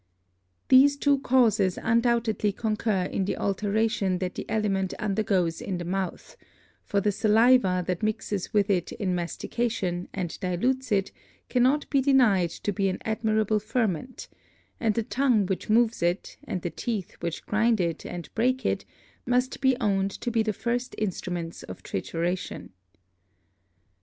These two Causes undoubtedly concur in the Alteration that the Aliment undergoes in the Mouth; for the Saliva that mixes with it in Mastication, and dilutes it, cannot be deny'd to be an admirable Ferment; and the Tongue which moves it, and the Teeth which grind it, and break it, must be own'd to be the first Instruments of Trituration.